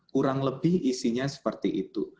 kurang lebih isinya seperti itu